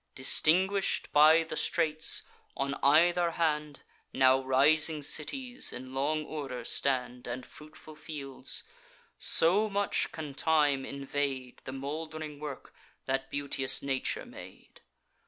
Distinguish'd by the straits, on either hand, Now rising cities in long order stand, And fruitful fields: so much can time invade The mould'ring work that beauteous Nature made.